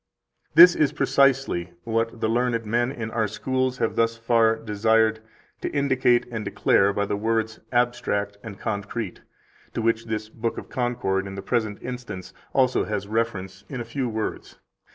13 This is precisely what the learned men in our schools have thus far desired to indicate and declare by the words abstract and concrete, to which this book [of Concord in the present instance] also has reference in a few words (see above p.